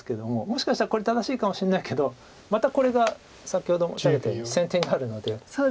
もしかしたらこれ正しいかもしれないけどまたこれが先ほど申し上げたように先手になるので。